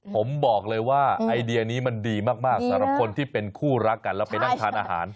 ผมบอกเลยว่าไอเดียนี้มันดีมากสำหรับคนที่เป็นคู่รักกันแล้วไปนั่งทานอาหาร